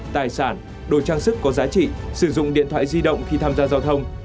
tài sản đồ trang sức có giá trị sử dụng điện thoại di động khi tham gia giao thông